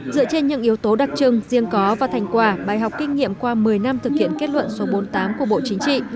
dựa trên những yếu tố đặc trưng riêng có và thành quả bài học kinh nghiệm qua một mươi năm thực hiện kết luận số bốn mươi tám của bộ chính trị